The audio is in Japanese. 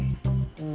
うん。